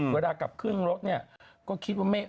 เวลากลับขึ้นรถเนี่ยก็คิดว่าไม่